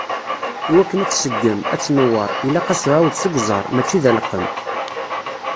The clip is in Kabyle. Iwakken ad tseggem, ad tnewweṛ, ilaq-as uɛawed seg uẓar, mačči d aleqqem.